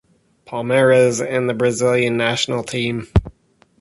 Palmeiras and the Brazilian national team.